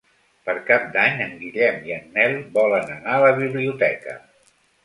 Per Cap d'Any en Guillem i en Nel volen anar a la biblioteca.